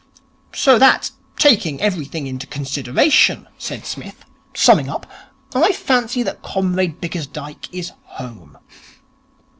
'So that taking everything into consideration,' said Psmith, summing up, 'I fancy that Comrade Bickersdyke is home.'